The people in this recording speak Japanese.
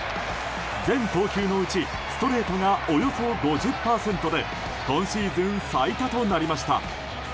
全投球のうちストレートがおよそ５０％で今シーズン最多となりました。